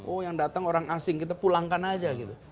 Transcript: oh yang datang orang asing kita pulangkan aja gitu